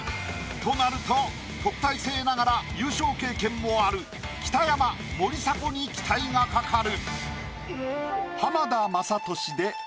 となると特待生ながら優勝経験もある北山森迫に期待がかかる。